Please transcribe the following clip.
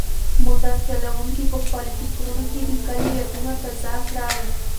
موټر چلونکي په خپلو فکرونو کې د کلي یادونه تازه کړل.